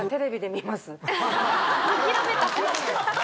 諦めた。